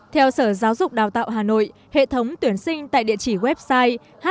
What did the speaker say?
theo sở giáo dục đào tạo hà nội hệ thống tuyển sinh tại địa chỉ website